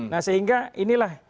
nah sehingga inilah